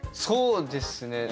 そうですね。